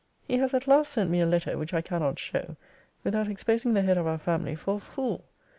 He has at last sent me a letter which I cannot show, without exposing the head of our family for a fool.